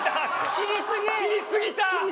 切りすぎた！